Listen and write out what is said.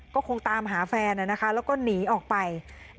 ก็คงตามหาแฟนแล้วก็หนีออกไป